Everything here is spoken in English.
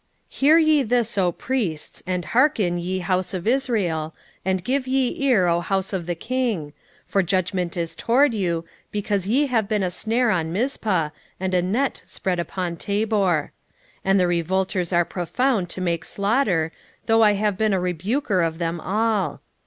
5:1 Hear ye this, O priests; and hearken, ye house of Israel; and give ye ear, O house of the king; for judgment is toward you, because ye have been a snare on Mizpah, and a net spread upon Tabor. 5:2 And the revolters are profound to make slaughter, though I have been a rebuker of them all.